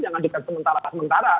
jangan dikatakan sementara sementara